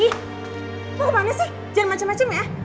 ih buku mana sih jangan macem macem ya